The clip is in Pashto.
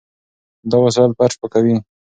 دا وسایل فرش پاکوي.